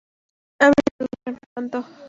আমি শুধু ভীষণ ক্লান্ত!